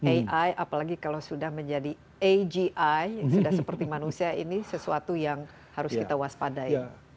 ai apalagi kalau sudah menjadi agi sudah seperti manusia ini sesuatu yang harus kita waspadai